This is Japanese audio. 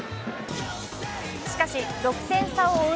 しかし６点差を追う